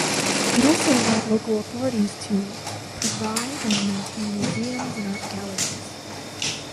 It also allowed local authorities to "provide and maintain museums and art galleries".